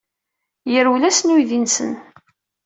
Yerwel-asen uydi-nsen.